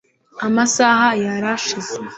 amasaha yarashize